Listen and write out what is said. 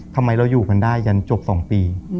ทำไมเราอยู่กันได้จนจบ๒ปี